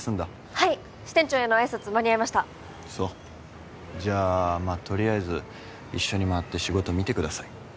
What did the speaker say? はい支店長へのあいさつ間に合いましたそうじゃあまあとりあえず一緒に回って仕事見てください